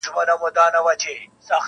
پر هر ځای مي میدانونه په ګټلي -